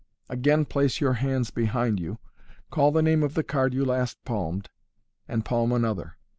Again place your hands behind you, call the name of the card you last palmed, and palm another.